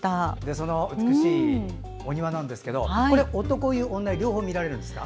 その美しいお庭なんですが男湯、女湯両方見られるんですか？